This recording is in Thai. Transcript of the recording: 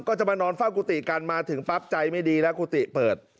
ก็จะมานอนเฝ้ากุฏิกันมาถึงปั๊บใจไม่ดีแล้วกุฏิเปิด